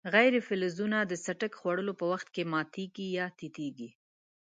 غیر فلزونه د څټک خوړلو په وخت کې ماتیږي یا تیتیږي.